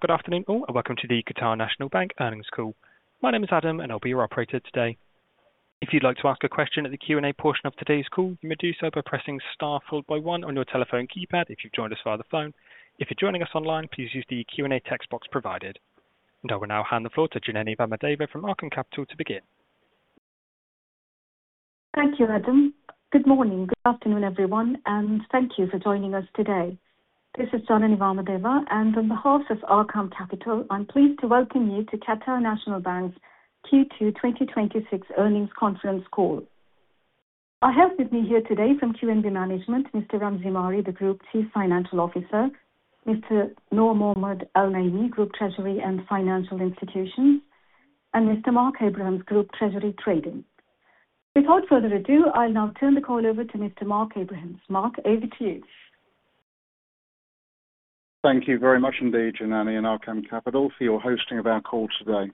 Good afternoon, all, and welcome to the Qatar National Bank earnings call. My name is Adam, and I'll be your operator today. If you'd like to ask a question at the Q&A portion of today's call, you may do so by pressing star followed by one on your telephone keypad if you've joined us via the phone. If you're joining us online, please use the Q&A text box provided. I will now hand the floor to Janany Vamadeva from Arqaam Capital to begin. Thank you, Adam. Good morning. Good afternoon, everyone, and thank you for joining us today. This is Janany Vamadeva, and on behalf of Arqaam Capital, I'm pleased to welcome you to Qatar National Bank's Q2 2026 earnings conference call. I have with me here today from QNB management, Mr. Ramzi Mari, the Group Chief Financial Officer, Mr. Noor Mohammed Al-Naimi, Group Treasury and Financial Institutions, and Mr. Mark Abrahams, Group Treasury Trading. Without further ado, I'll now turn the call over to Mr. Mark Abrahams. Mark, over to you. Thank you very much indeed, Janany and Arqaam Capital for your hosting of our call today.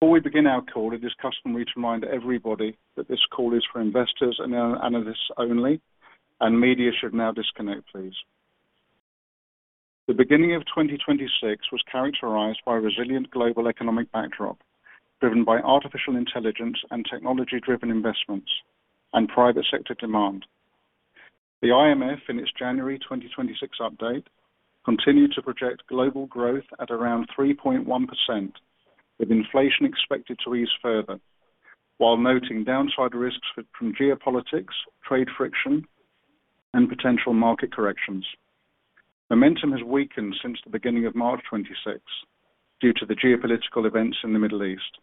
Before we begin our call, it is customary to remind everybody that this call is for investors and analysts only, and media should now disconnect, please. The beginning of 2026 was characterized by a resilient global economic backdrop, driven by artificial intelligence and technology-driven investments and private sector demand. The IMF, in its January 2026 update, continued to project global growth at around 3.1%, with inflation expected to ease further. While noting downside risks from geopolitics, trade friction, and potential market corrections. Momentum has weakened since the beginning of March 2026 due to the geopolitical events in the Middle East.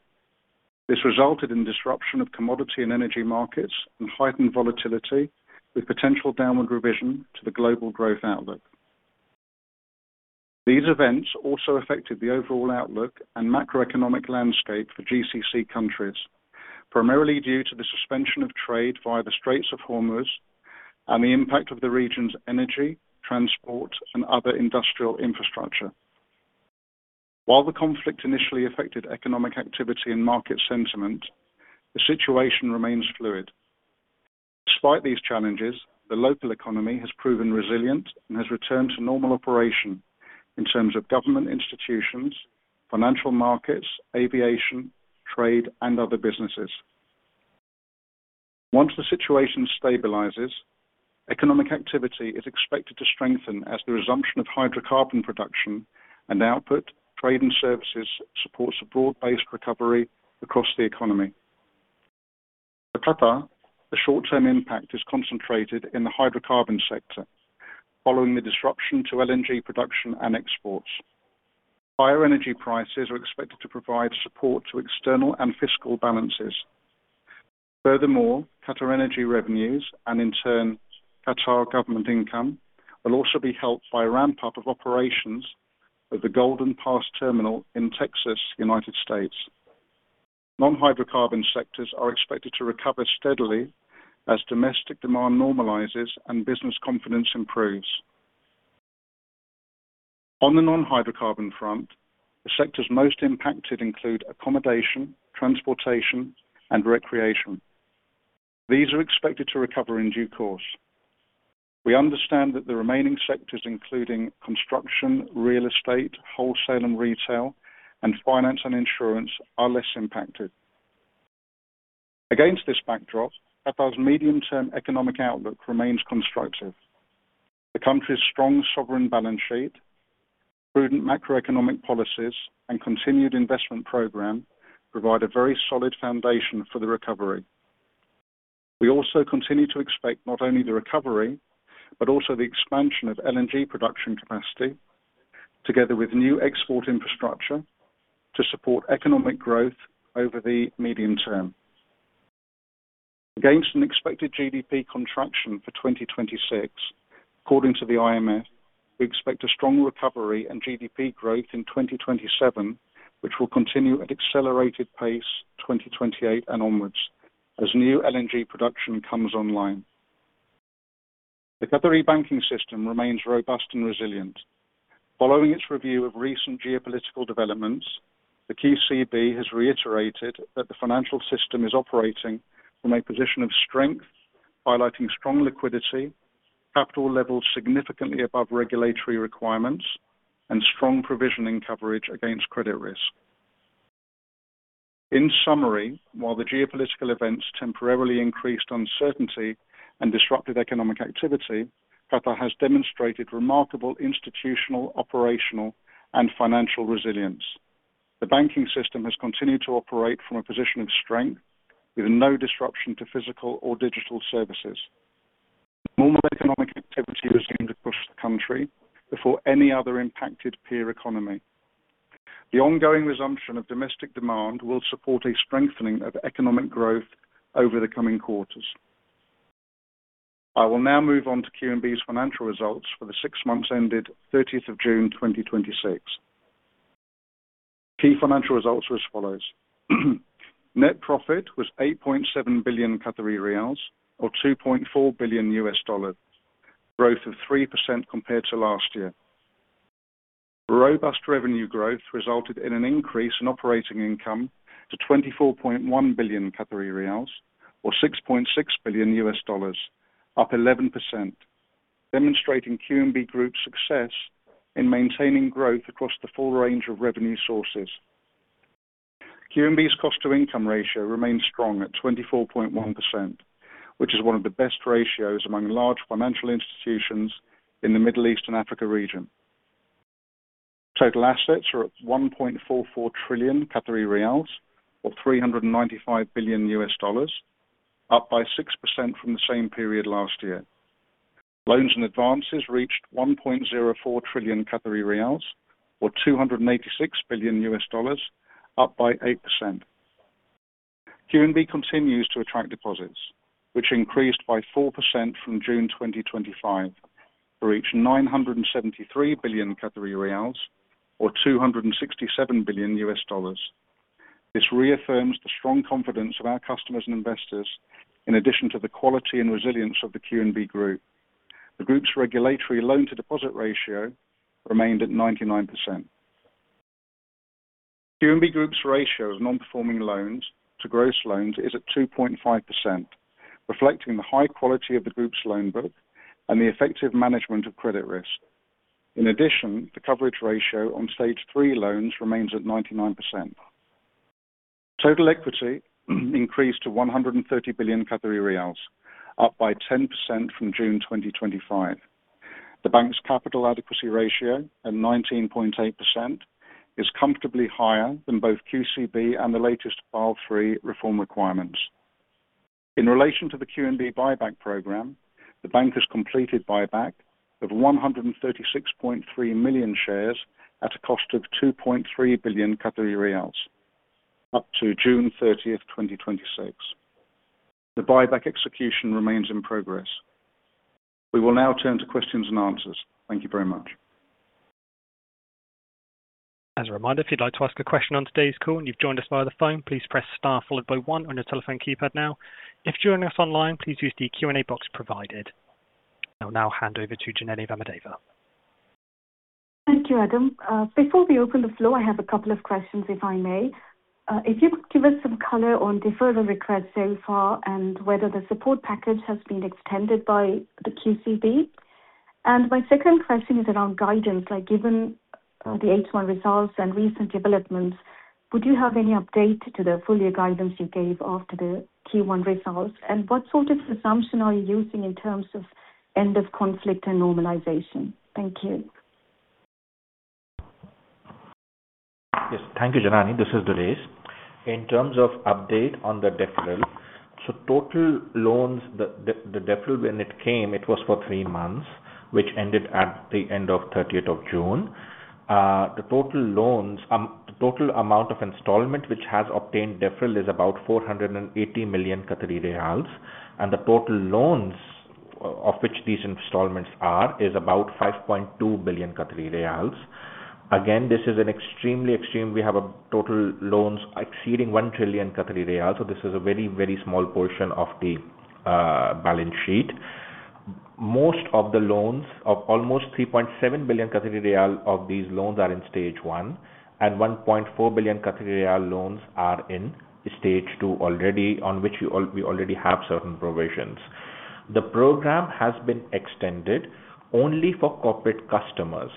This resulted in disruption of commodity and energy markets and heightened volatility, with potential downward revision to the global growth outlook. These events also affected the overall outlook and macroeconomic landscape for GCC countries, primarily due to the suspension of trade via the Strait of Hormuz and the impact of the region's energy, transport, and other industrial infrastructure. While the conflict initially affected economic activity and market sentiment, the situation remains fluid. Despite these challenges, the local economy has proven resilient and has returned to normal operation in terms of government institutions, financial markets, aviation, trade, and other businesses. Once the situation stabilizes, economic activity is expected to strengthen as the resumption of hydrocarbon production and output, trade, and services supports a broad-based recovery across the economy. For Qatar, the short-term impact is concentrated in the hydrocarbon sector, following the disruption to LNG production and exports. Higher energy prices are expected to provide support to external and fiscal balances. Furthermore, QatarEnergy revenues, and in turn, Qatar government income, will also be helped by a ramp-up of operations of the Golden Pass terminal in Texas, U.S. Non-hydrocarbon sectors are expected to recover steadily as domestic demand normalizes and business confidence improves. On the non-hydrocarbon front, the sectors most impacted include accommodation, transportation, and recreation. These are expected to recover in due course. We understand that the remaining sectors, including construction, real estate, wholesale and retail, and finance and insurance, are less impacted. Against this backdrop, Qatar's medium-term economic outlook remains constructive. The country's strong sovereign balance sheet, prudent macroeconomic policies, and continued investment program provide a very solid foundation for the recovery. We also continue to expect not only the recovery but also the expansion of LNG production capacity, together with new export infrastructure to support economic growth over the medium term. Against an expected GDP contraction for 2026, according to the IMF, we expect a strong recovery and GDP growth in 2027, which will continue at accelerated pace 2028 and onwards, as new LNG production comes online. The Qatari banking system remains robust and resilient. Following its review of recent geopolitical developments, the QCB has reiterated that the financial system is operating from a position of strength, highlighting strong liquidity, capital levels significantly above regulatory requirements, and strong provisioning coverage against credit risk. In summary, while the geopolitical events temporarily increased uncertainty and disrupted economic activity, Qatar has demonstrated remarkable institutional, operational, and financial resilience. The banking system has continued to operate from a position of strength, with no disruption to physical or digital services. Normal economic activity resumed across the country before any other impacted peer economy. The ongoing resumption of domestic demand will support a strengthening of economic growth over the coming quarters. I will now move on to QNB's financial results for the six months ended 30th of June 2026. Key financial results were as follows. Net profit was 8.7 billion Qatari riyals or $2.4 billion US, growth of 3% compared to last year. Robust revenue growth resulted in an increase in operating income to 24.1 billion Qatari riyals or $6.6 billion US- Up 11%, demonstrating QNB Group's success in maintaining growth across the full range of revenue sources. QNB's cost-to-income ratio remains strong at 24.1%, which is one of the best ratios among large financial institutions in the Middle East and Africa region. Total assets are at 1.44 trillion Qatari riyals, or $395 billion US, up by 6% from the same period last year. Loans and advances reached 1.04 trillion Qatari riyals, or $286 billion US, up by 8%. QNB continues to attract deposits, which increased by 4% from June 2025 to reach 973 billion Qatari riyals, or $267 billion US. This reaffirms the strong confidence of our customers and investors, in addition to the quality and resilience of the QNB Group. The group's regulatory loan-to-deposit ratio remained at 99%. QNB Group's ratio of non-performing loans to gross loans is at 2.5%, reflecting the high quality of the group's loan book and the effective management of credit risk. In addition, the coverage ratio on stage 3 loans remains at 99%. Total equity increased to 130 billion Qatari riyals, up by 10% from June 2025. The bank's capital adequacy ratio at 19.8% is comfortably higher than both QCB and the latest Basel III reform requirements. In relation to the QNB buyback program, the bank has completed buyback of 136.3 million shares at a cost of 2.3 billion Qatari riyals up to June 30th, 2026. The buyback execution remains in progress. We will now turn to questions and answers. Thank you very much. As a reminder, if you'd like to ask a question on today's call and you've joined us via the phone, please press star followed by one on your telephone keypad now. If you've joined us online, please use the Q&A box provided. I'll now hand over to Janany Vamadeva. Thank you, Adam. Before we open the floor, I have a couple of questions, if I may. If you could give us some color on deferred requests so far and whether the support package has been extended by the QCB. My second question is around guidance, like given the H1 results and recent developments, would you have any update to the full year guidance you gave after the Q1 results? What sort of assumption are you using in terms of end of conflict and normalization? Thank you. Yes. Thank you, Janany. This is Durraiz. In terms of update on the deferral, total loans, the deferral when it came, it was for three months, which ended at the end of 30th of June. The total amount of installment which has obtained deferral is about 480 million, the total loans of which these installments are is about 5.2 billion. We have total loans exceeding 1 trillion. This is a very, very small portion of the balance sheet. Most of the loans of almost 3.7 billion of these loans are in Stage 1, 1.4 billion loans are in Stage 2 already, on which we already have certain provisions. The program has been extended only for corporate customers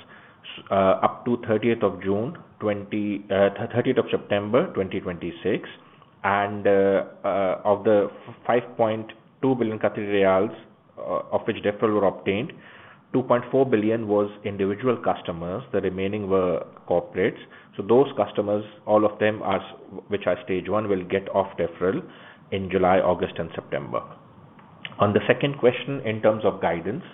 up to 30th of September 2026. Of the 5.2 billion Qatari riyals of which deferral were obtained, 2.4 billion was individual customers, the remaining were corporates. Those customers, all of them which are Stage 1, will get off deferral in July, August, and September. On the second question, in terms of guidance.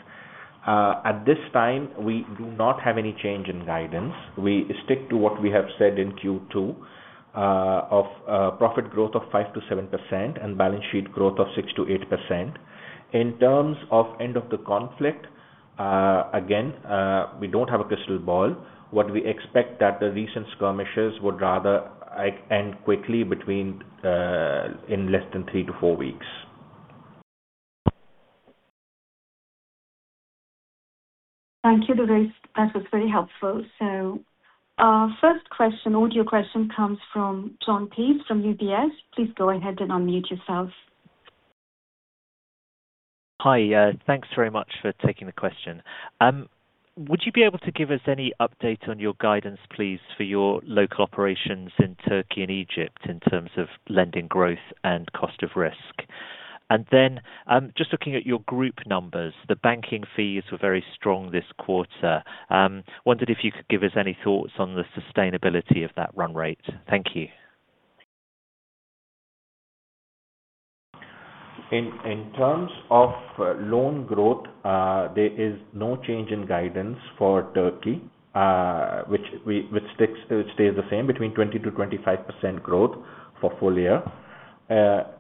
At this time, we do not have any change in guidance. We stick to what we have said in Q2, of profit growth of 5%-7% and balance sheet growth of 6%-8%. In terms of end of the conflict, again, we don't have a crystal ball. We expect that the recent skirmishes would rather end quickly, in less than three to four weeks. Thank you, Durraiz. That was very helpful. First question, audio question comes from Jon Peace from UBS. Please go ahead and unmute yourself. Hi. Thanks very much for taking the question. Would you be able to give us any update on your guidance, please, for your local operations in Türkiye and Egypt in terms of lending growth and cost of risk? Just looking at your group numbers, the banking fees were very strong this quarter. Wondered if you could give us any thoughts on the sustainability of that run rate. Thank you. In terms of loan growth, there is no change in guidance for Türkiye, which stays the same between 20%-25% growth for full year.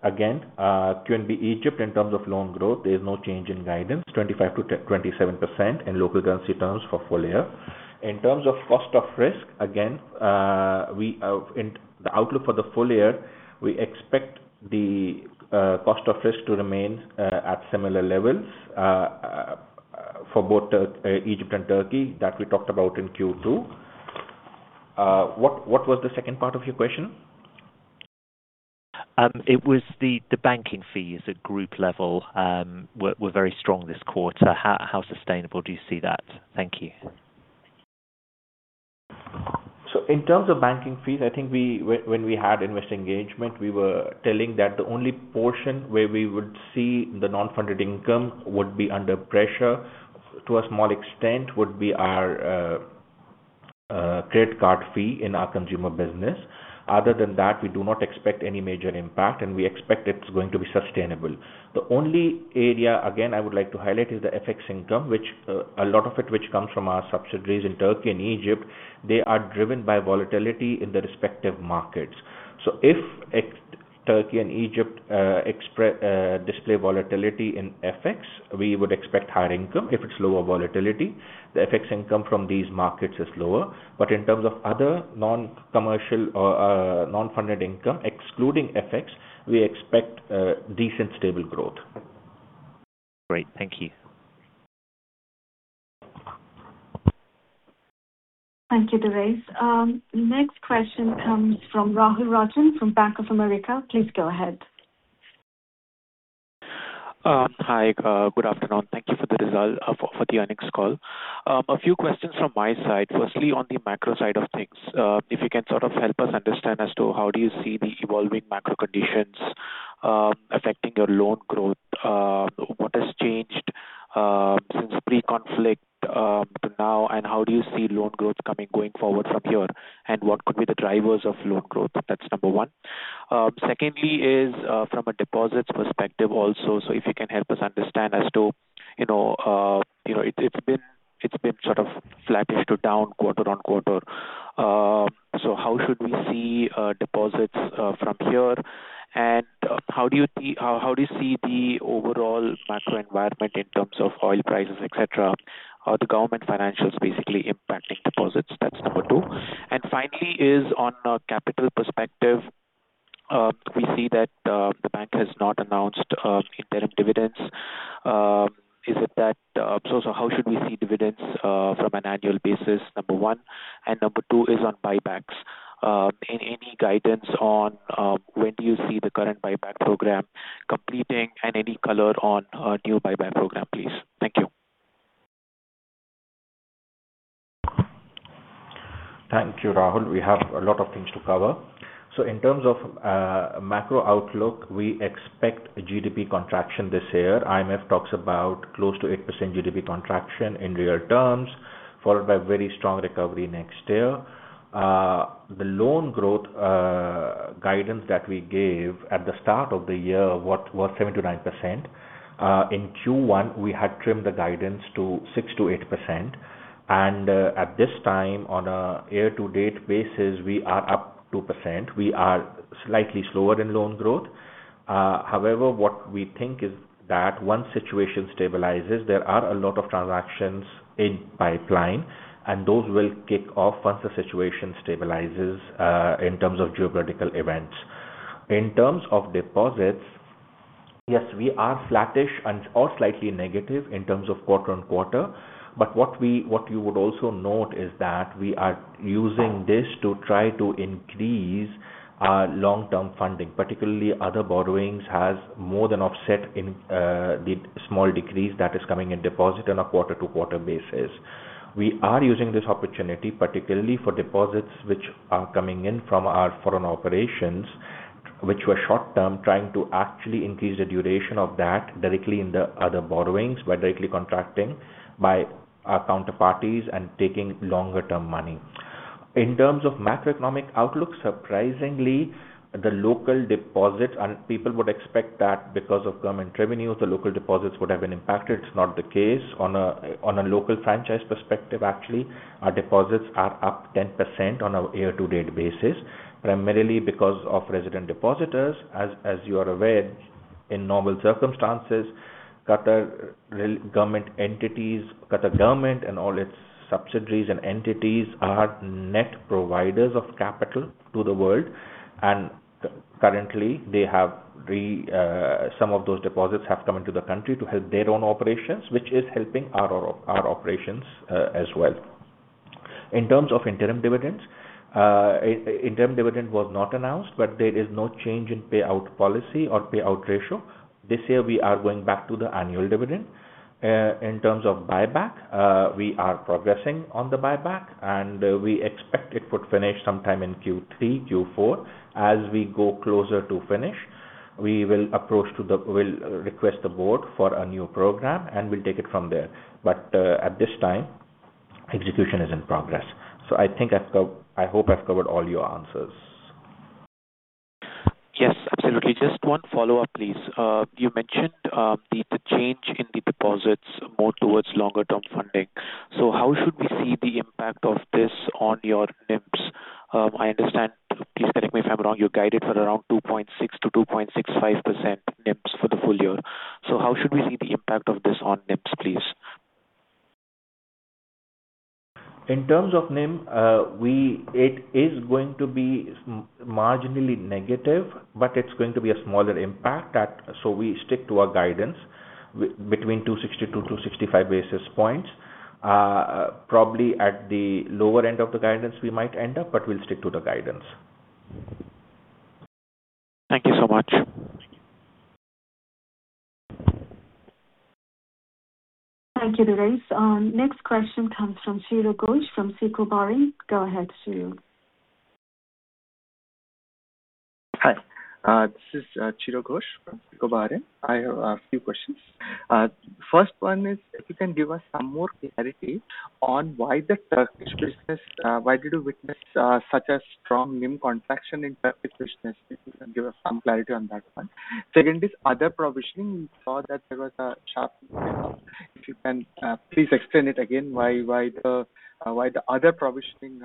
Again, QNB Egypt, in terms of loan growth, there is no change in guidance, 25%-27% in local currency terms for full year. In terms of cost of risk, again, the outlook for the full year, we expect the cost of risk to remain at similar levels for both Egypt and Türkiye that we talked about in Q2. What was the second part of your question? It was the banking fees at Group level were very strong this quarter. How sustainable do you see that? Thank you. In terms of banking fees, I think when we had investor engagement, we were telling that the only portion where we would see the non-funded income would be under pressure to a small extent would be our credit card fee in our Consumer Banking. Other than that, we do not expect any major impact, and we expect it's going to be sustainable. The only area, again, I would like to highlight is the FX income, a lot of it which comes from our subsidiaries in Türkiye and Egypt. They are driven by volatility in the respective markets. If Türkiye and Egypt display volatility in FX, we would expect higher income. If it's lower volatility, the FX income from these markets is lower. In terms of other non-commercial or non-funded income, excluding FX, we expect decent stable growth. Great. Thank you. Thank you, Durraiz. Next question comes from Rahul Rajan from Bank of America. Please go ahead. Hi. Good afternoon. Thank you for the earnings call. A few questions from my side. Firstly, on the macro side of things, if you can help us understand as to how do you see the evolving macro conditions affecting your loan growth? What has changed since pre-conflict to now, and how do you see loan growth going forward from here? What could be the drivers of loan growth? That's number one. Secondly is from a deposits perspective also. If you can help us understand as to, it's been flattish to down quarter-on-quarter. How should we see deposits from here, and how do you see the overall macro environment in terms of oil prices, et cetera, or the government financials basically impacting deposits? That's number two. Finally is on a capital perspective. We see that the bank has not announced interim dividends. How should we see dividends from an annual basis, number one? Number two is on buybacks. Any guidance on when do you see the current buyback program completing and any color on a new buyback program, please? Thank you. Thank you, Rahul. We have a lot of things to cover. In terms of macro outlook, we expect a GDP contraction this year. IMF talks about close to 8% GDP contraction in real terms, followed by very strong recovery next year. The loan growth guidance that we gave at the start of the year was 7%-9%. In Q1, we had trimmed the guidance to 6%-8% and at this time, on a year-to-date basis, we are up 2%. We are slightly slower in loan growth. However, what we think is that once situation stabilizes, there are a lot of transactions in pipeline and those will kick off once the situation stabilizes in terms of geopolitical events. In terms of deposits, yes, we are flattish and/or slightly negative in terms of quarter-on-quarter. What you would also note is that we are using this to try to increase our long-term funding, particularly other borrowings has more than offset in the small decrease that is coming in deposit on a quarter-to-quarter basis. We are using this opportunity, particularly for deposits which are coming in from our foreign operations, which were short-term, trying to actually increase the duration of that directly in the other borrowings by directly contracting by our counterparties and taking longer-term money. In terms of macroeconomic outlook, surprisingly, the local deposits, people would expect that because of government revenue, the local deposits would have been impacted. It's not the case. On a local franchise perspective, actually, our deposits are up 10% on a year-to-date basis, primarily because of resident depositors. As you are aware, in normal circumstances, Qatar government entities, Qatar government and all its subsidiaries and entities are net providers of capital to the world. Currently, some of those deposits have come into the country to help their own operations, which is helping our operations as well. In terms of interim dividends, interim dividend was not announced, but there is no change in payout policy or payout ratio. This year we are going back to the annual dividend. In terms of buyback, we are progressing on the buyback, and we expect it would finish sometime in Q3, Q4. As we go closer to finish, we'll request the board for a new program, and we'll take it from there. At this time, execution is in progress. I hope I've covered all your answers. Yes, absolutely. Just one follow-up, please. You mentioned the change in the deposits more towards longer-term funding. How should we see the impact of this on your NIMs? I understand, please correct me if I'm wrong, you're guided for around 2.6%-2.65% NIMs for the full year. How should we see the impact of this on NIMs, please? In terms of NIM, it is going to be marginally negative, but it's going to be a smaller impact, so we stick to our guidance between 260-265 basis points. Probably at the lower end of the guidance we might end up, but we'll stick to the guidance. Thank you so much. Thank you, Durraiz. Our next question comes from Chiro Ghosh from SICO Bahrain. Go ahead, Chiro. Hi. This is Chiro Ghosh. Good morning. I have a few questions. First one is, if you can give us some more clarity on why the Turkish business, why did you witness such a strong NIM contraction in Turkish business? If you can give us some clarity on that one. Second is other provisioning. We saw that there was a sharp if you can please explain it again, why the other provisioning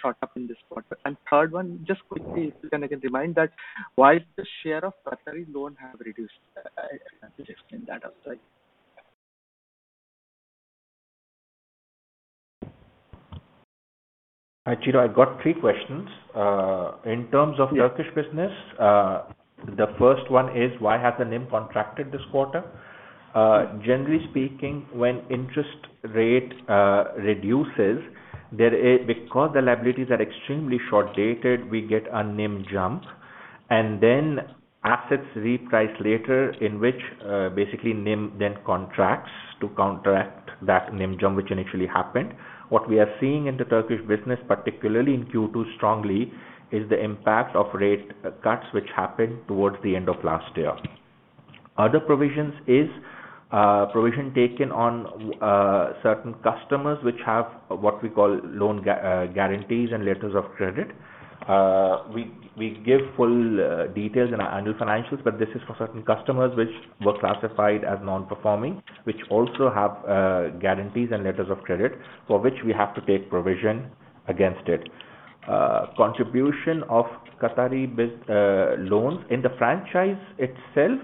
shot up in this quarter. Third one, just quickly, if you can again remind that why the share of Qatari loan have reduced. Please explain that also. Hi, Chiro, I got three questions. In terms of Turkish business, the first one is why has the NIM contracted this quarter? Generally speaking, when interest rate reduces, because the liabilities are extremely short-dated, we get a NIM jump, and then assets reprice later in which basically NIM then contracts to counteract that NIM jump which initially happened. What we are seeing in the Turkish business, particularly in Q2 strongly, is the impact of rate cuts which happened towards the end of last year. Other provisions is provision taken on certain customers which have what we call loan guarantees and letters of credit. We give full details in our annual financials, but this is for certain customers which were classified as non-performing, which also have guarantees and letters of credit for which we have to take provision against it. Contribution of Qatari loans in the franchise itself,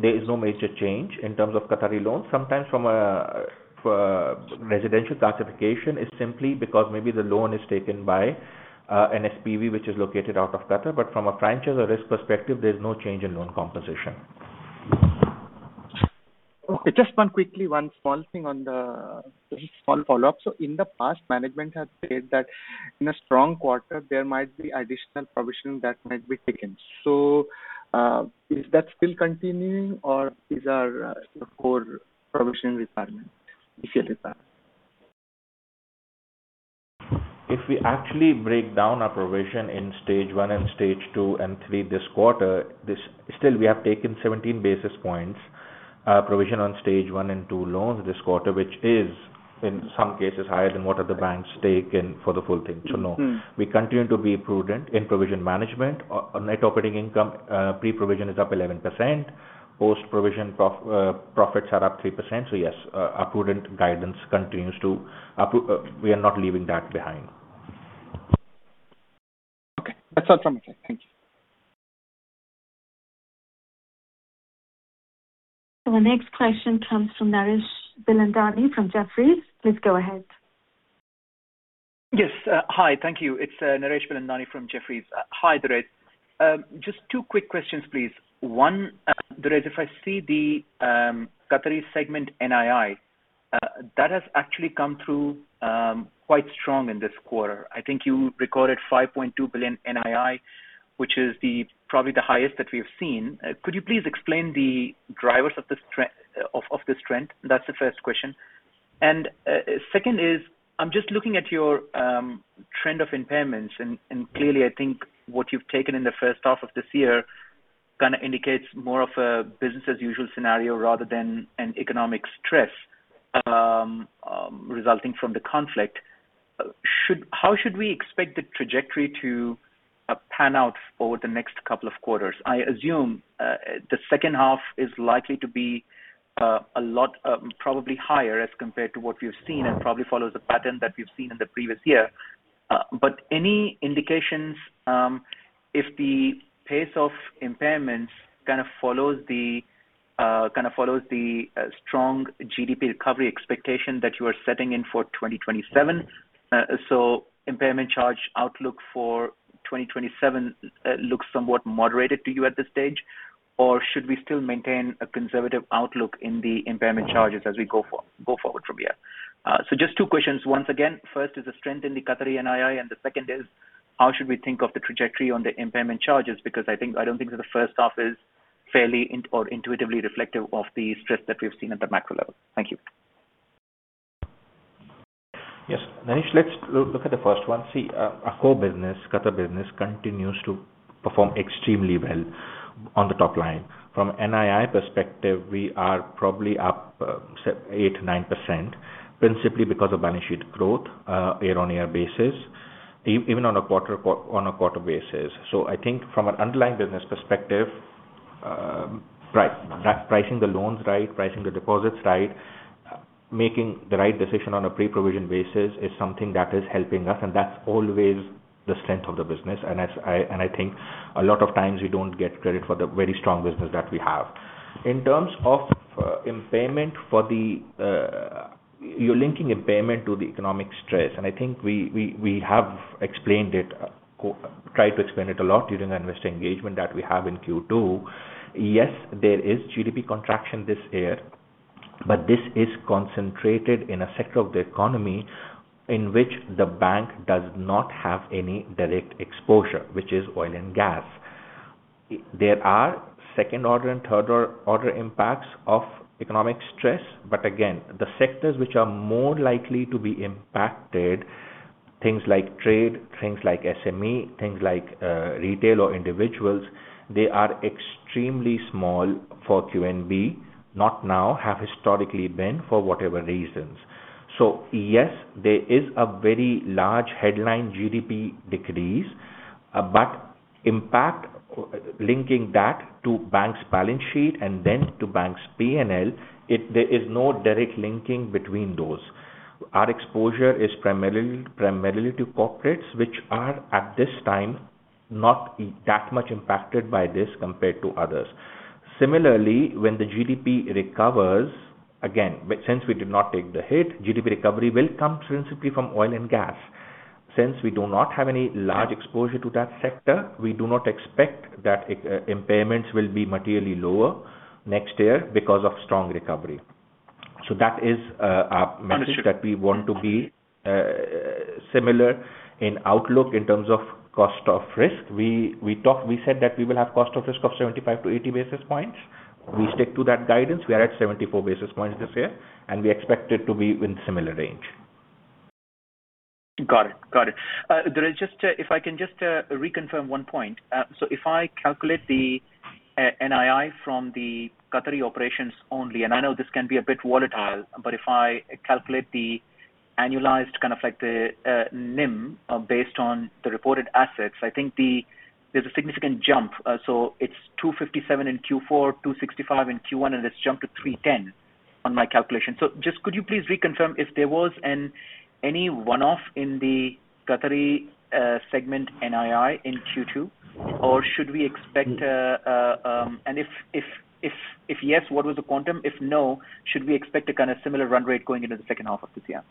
there is no major change in terms of Qatari loans. Sometimes from a residential classification is simply because maybe the loan is taken by an SPV, which is located out of Qatar, but from a franchise or risk perspective, there's no change in loan composition. Okay. Just one quickly, one small thing on the small follow-up. In the past, management has said that in a strong quarter, there might be additional provisioning that might be taken. Is that still continuing or these are core provisioning requirements? If you look at that. If we actually break down our provision in Stage 1 and Stage 2 and Stage 3 this quarter, still we have taken 17 basis points, provision on Stage 1 and Stage 2 loans this quarter, which is in some cases higher than what other banks take in for the full thing. No. We continue to be prudent in provision management. Our net operating income, pre-provision is up 11%. Post-provision profits are up 3%. Yes, our prudent guidance. We are not leaving that behind. Okay. That's all from me. Thank you. The next question comes from Naresh Bilandani from Jefferies. Please go ahead. Yes. Hi, thank you. It's Naresh Bilandani from Jefferies. Hi, Durraiz. Just two quick questions, please. One, Durraiz, if I see the Qatari segment NII, that has actually come through quite strong in this quarter. I think you recorded 5.2 billion NII, which is probably the highest that we have seen. Could you please explain the drivers of this trend? That is the first question. Second is, I'm just looking at your trend of impairments, and clearly, I think what you've taken in the first half of this year kind of indicates more of a business as usual scenario rather than an economic stress resulting from the conflict. How should we expect the trajectory to pan out over the next couple of quarters? I assume the second half is likely to be a lot, probably higher as compared to what we've seen and probably follows a pattern that we've seen in the previous year. Any indications, if the pace of impairments kind of follows the strong GDP recovery expectation that you are setting in for 2027? Impairment charge outlook for 2027 looks somewhat moderated to you at this stage, or should we still maintain a conservative outlook in the impairment charges as we go forward from here? Just two questions once again. First is the strength in the Qatari NII. The second is how should we think of the trajectory on the impairment charges? I don't think that the first half is fairly or intuitively reflective of the stress that we've seen at the macro level. Thank you. Yes. Naresh, let's look at the first one. Our core business, Qatar business, continues to perform extremely well on the top line. From NII perspective, we are probably up, say, 8%, 9%, principally because of balance sheet growth, year on year basis, even on a quarter basis. I think from an underlying business perspective, pricing the loans right, pricing the deposits right, making the right decision on a pre-provision basis is something that is helping us, that's always the strength of the business. I think a lot of times we don't get credit for the very strong business that we have. In terms of impairment for the. You're linking impairment to the economic stress. I think we have tried to explain it a lot during our investor engagement that we have in Q2. Yes, there is GDP contraction this year. This is concentrated in a sector of the economy in which the bank does not have any direct exposure, which is oil and gas. There are second order and third order impacts of economic stress. Again, the sectors which are more likely to be impacted, things like trade, things like SME, things like retail or individuals, they are extremely small for QNB, not now, have historically been for whatever reasons. Yes, there is a very large headline GDP decrease. Impact linking that to bank's balance sheet and then to bank's P&L, there is no direct linking between those. Our exposure is primarily to corporates, which are, at this time, not that much impacted by this compared to others. Similarly, when the GDP recovers again, since we did not take the hit, GDP recovery will come principally from oil and gas. Since we do not have any large exposure to that sector, we do not expect that impairments will be materially lower next year because of strong recovery. That is our message. Understood that we want to be similar in outlook in terms of cost of risk. We said that we will have cost of risk of 75 basis points-80 basis points. We stick to that guidance. We are at 74 basis points this year, and we expect it to be in similar range. Got it. If I can just reconfirm one point. If I calculate the NII from the Qatari operations only, and I know this can be a bit volatile, but if I calculate the annualized NIM based on the reported assets, I think there's a significant jump. It's 257 in Q4, 265 in Q1, and it's jumped to 310 on my calculation. Just could you please reconfirm if there was any one-off in the Qatari segment NII in Q2? And if yes, what was the quantum? If no, should we expect a similar run rate going into the second half of this year?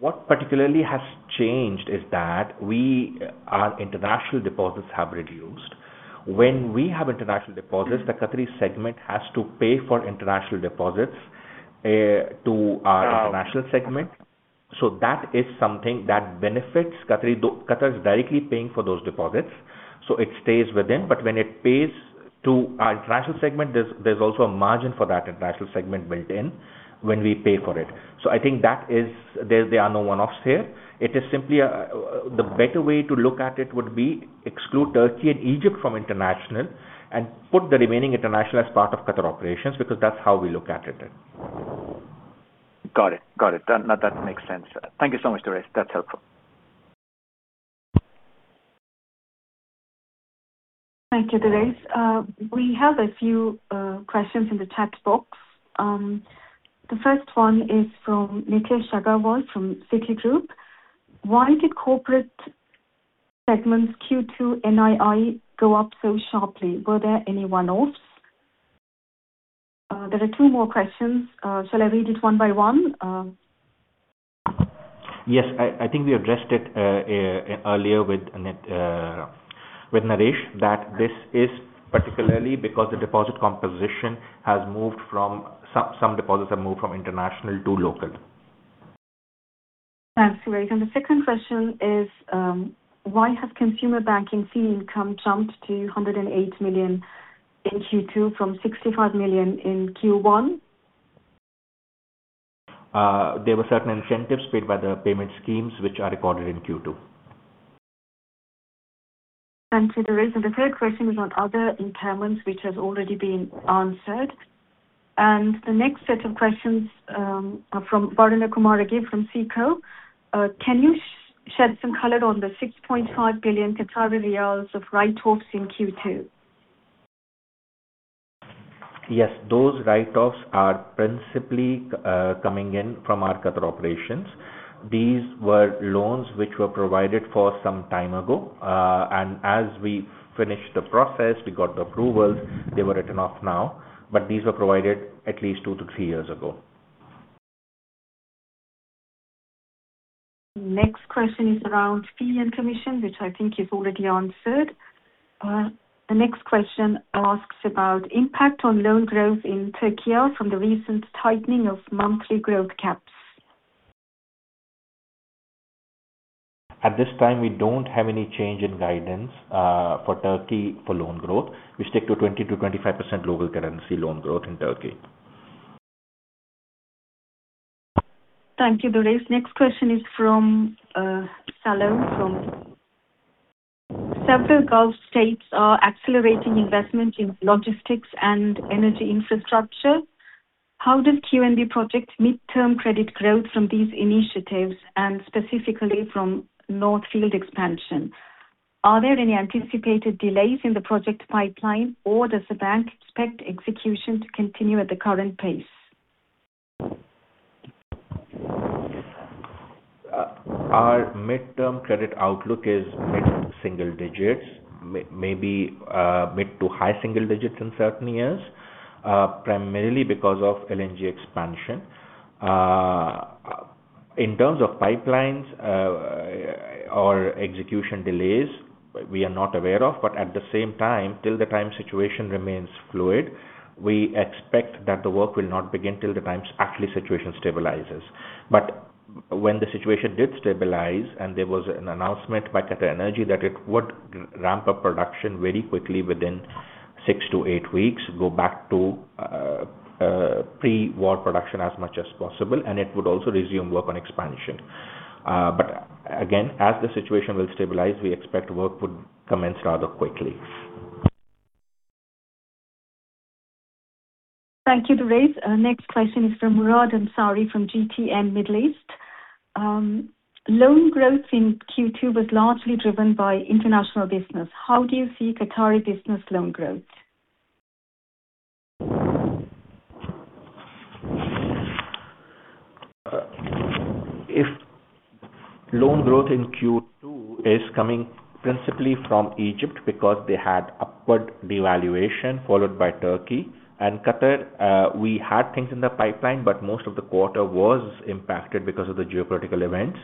What particularly has changed is that our international deposits have reduced. When we have international deposits, the Qatari segment has to pay for international deposits to our international segment. That is something that benefits Qatar is directly paying for those deposits, so it stays within. When it pays to our international segment, there's also a margin for that international segment built in when we pay for it. I think there are no one-offs here. The better way to look at it would be exclude Türkiye and Egypt from international and put the remaining international as part of Qatar operations, because that's how we look at it then. Got it. That makes sense. Thank you so much, Durraiz. That's helpful. Thank you, Durraiz. We have a few questions in the chat box. The first one is from Nitesh Aggarwal from Citigroup. Why did corporate segments Q2 NII go up so sharply? Were there any one-offs? There are two more questions. Shall I read it one by one? Yes. I think we addressed it earlier with Naresh that this is particularly because some deposits have moved from international to local. Thanks, Durraiz. The second question is why has Consumer Banking fee income jumped to 108 million in Q2 from 65 million in Q1? There were certain incentives paid by the payment schemes which are recorded in Q2. Thank you, Durraiz. The third question is on other impairments, which has already been answered. The next set of questions are from Waruna Kumarage again from SICO. Can you shed some color on the 6.5 billion Qatari riyals of write-offs in Q2? Yes, those write-offs are principally coming in from our Qatar operations. These were loans which were provided for some time ago. As we finished the process, we got the approvals, they were written off now, but these were provided at least two to three years ago. Next question is around fee and commission, which I think is already answered. The next question asks about impact on loan growth in Türkiye from the recent tightening of monthly growth caps. At this time, we don't have any change in guidance for Türkiye for loan growth. We stick to 20%-25% local currency loan growth in Türkiye. Thank you, Durraiz. Next question is from Salo. Several Gulf states are accelerating investment in logistics and energy infrastructure. How does QNB project midterm credit growth from these initiatives and specifically from North Field expansion? Are there any anticipated delays in the project pipeline or does the bank expect execution to continue at the current pace? Our midterm credit outlook is mid-single digits, maybe mid to high single digits in certain years, primarily because of LNG expansion. In terms of pipelines or execution delays, we are not aware of, at the same time, till the time situation remains fluid, we expect that the work will not begin till the times actually situation stabilizes. When the situation did stabilize and there was an announcement by QatarEnergy that it would ramp up production very quickly within six to eight weeks, go back to pre-war production as much as possible, and it would also resume work on expansion. Again, as the situation will stabilize, we expect work would commence rather quickly. Thank you, Durraiz. Next question is from Murad Ansari from GTN Middle East. Loan growth in Q2 was largely driven by international business. How do you see Qatari business loan growth? If loan growth in Q2 is coming principally from Egypt because they had upward devaluation followed by Türkiye and Qatar, we had things in the pipeline, but most of the quarter was impacted because of the geopolitical events.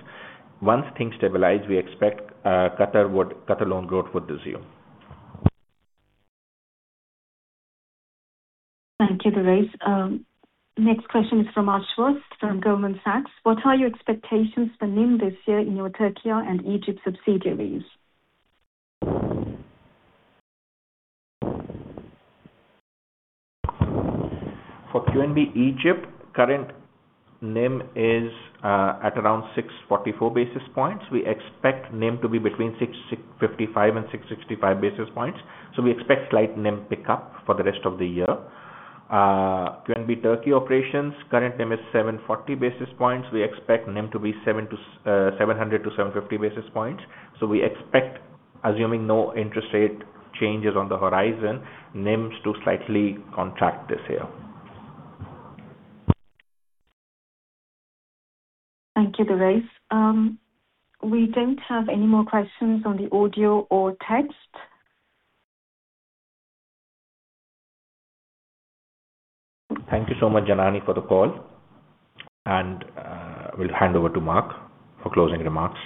Once things stabilize, we expect Qatar loan growth would resume. Thank you, Durraiz. Next question is from Ash Shah from Goldman Sachs. What are your expectations for NIM this year in your Türkiye and Egypt subsidiaries? For QNB Egypt, current NIM is at around 644 basis points. We expect NIM to be between 655 and 665 basis points, we expect slight NIM pickup for the rest of the year. QNB Turkiye operations, current NIM is 740 basis points. We expect NIM to be 700 basis points-750 basis points. We expect, assuming no interest rate changes on the horizon, NIMs to slightly contract this year. Thank you, Durraiz. We don't have any more questions on the audio or text. Thank you so much, Janany, for the call. We'll hand over to Mark for closing remarks.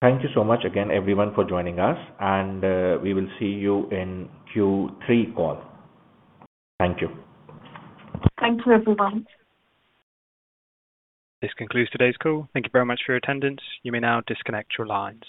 Thank you so much again, everyone, for joining us, and we will see you in Q3 call. Thank you. Thank you, everyone. This concludes today's call. Thank you very much for your attendance. You may now disconnect your lines.